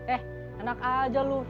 eh enak aja lu